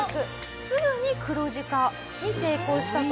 すぐに黒字化に成功したと。